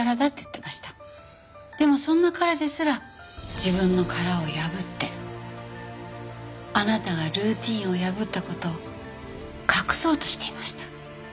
でもそんな彼ですら自分の殻を破ってあなたがルーティンを破った事を隠そうとしていました。